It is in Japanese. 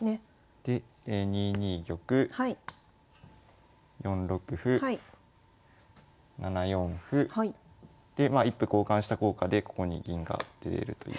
で２二玉４六歩７四歩で一歩交換した効果でここに銀が出れるという。